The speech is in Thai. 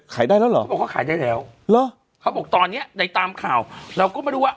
ขายได้แล้วหรอก็ขายได้แล้วแล้วเขาบอกตอนเนี้ยใดตามข่าวเราก็มาดูว่า